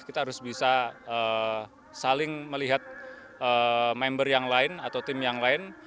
kita harus bisa saling melihat member yang lain atau tim yang lain